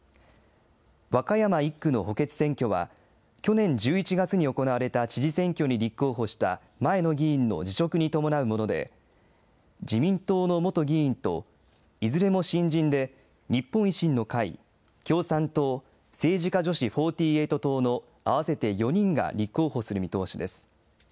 和歌山１区の補欠選挙は、去年１１月に行われた知事選挙に立候補した前の議員の辞職に伴うもので、自民党の元議員と、いずれも新人で日本維新の会、共産党、政治家女子４８党の合わせて４人が立候補する見通しです。